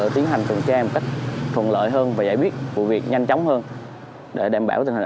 tiến hành phần trang cách thuận lợi hơn và giải quyết vụ việc nhanh chóng hơn để đảm bảo tình hình